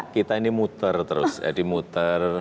kita ini muter terus jadi muter